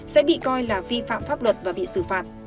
sẽ bị coi là vi phạm pháp luật và bị xử phạt